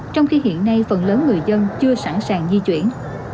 trong khi hiện nay phần lớn người dân chưa sẵn sàng di chuyển